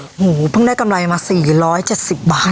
หมูเพิ่งได้กำไรมา๔๗๐บาท